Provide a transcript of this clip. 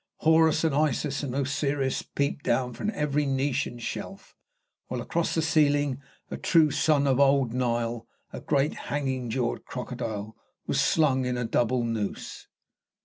Horus and Isis and Osiris peeped down from every niche and shelf, while across the ceiling a true son of Old Nile, a great, hanging jawed crocodile, was slung in a double noose.